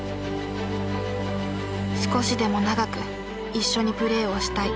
少しでも長く一緒にプレーをしたい。